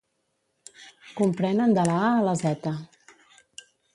Comprenen de la a a la zeta.